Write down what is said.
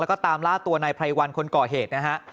แล้วก็ตามล่าตัวนายไพรวันคนก่อเหตุนะฮะ